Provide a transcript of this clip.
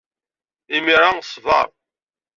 Imir-a, ṣber.